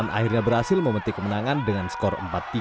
akhirnya berhasil memetik kemenangan dengan skor empat tiga